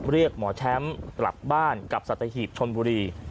เรียกหมอแชมป์กลับบ้านกับสัตหีบชนบุรี